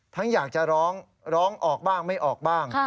อยากจะร้องร้องออกบ้างไม่ออกบ้าง